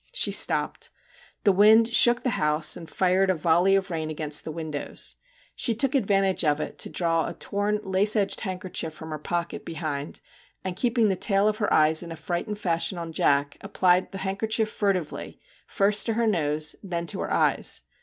She stopped. The wind shook the house and fired a volley of rain against the windows. MR. JACK HAMLIN'S MEDIATION 25 She took advantage of it to draw a torn lace edged handkerchief from her pocket behind, and keeping the tail of her eyes in a frightened fashion on Jack, applied the handkerchief furtively, first to her nose, and then to her eyes.